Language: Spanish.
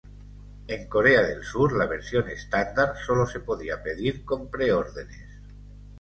En Corea del Sur, la versión standard sólo se podía pedir con pre-ordenes.